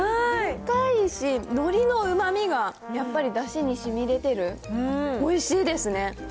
深いし、のりのうまみがやっぱりだしにしみ出てる、おいしいですね。